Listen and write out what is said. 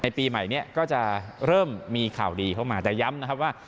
ในปีใหม่ก็จะเริ่มมีข่าวดีเพราะมันอาจจะย้ำว่า